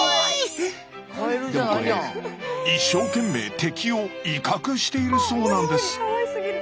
でもこれ一生懸命敵を威嚇しているそうなんです。